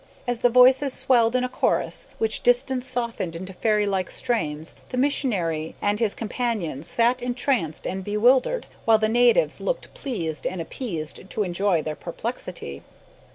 As the voices swelled in a chorus, which distance softened into fairy like strains, the missionary and his companion sat entranced and bewildered, while the natives looked pleased, and appeared to enjoy their perplexity.